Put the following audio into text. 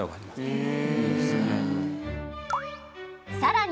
へえ！